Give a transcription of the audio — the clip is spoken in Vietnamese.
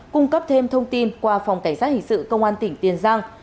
cung cấp thêm thông tin qua phòng cảnh sát hình sự công an tỉnh tiền giang